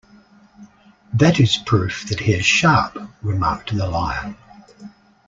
"That is proof that he is sharp," remarked the Lion.